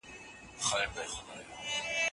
يو لومړی عدد دئ.